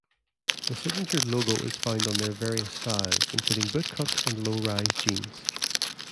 The signature logo is found on their various styles, including bootcut and low-rise jeans.